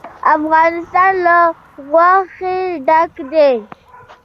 افغانستان له غوښې ډک دی.